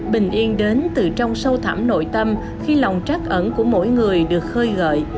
bình yên đến từ trong sâu thẳm nội tâm khi lòng trắc ẩn của mỗi người được khơi gợi